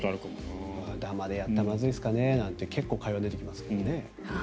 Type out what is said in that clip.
ダマでやったらまずいですかねとか結構、会話に出てきますよね。